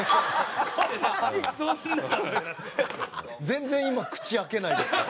全然今口開けないですね。